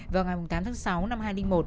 vào ngày tám tháng sáu năm hai nghìn một